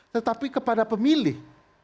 tetapi kepada pemilih